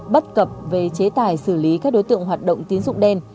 bất cập về chế tài xử lý các đối tượng hoạt động tín dụng đen